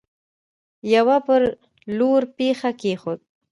يوه پر لور پښه کيښوده.